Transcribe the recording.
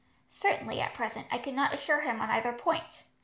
Certainly, at present, I could not assure him on either point.